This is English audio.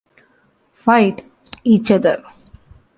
Fight each other.